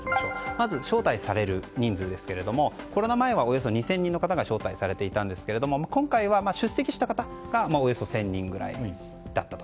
まず招待される人数ですがコロナ前はおよそ２０００人の方が招待されたんですが今回は出席した方がおよそ１０００人ぐらいだったと。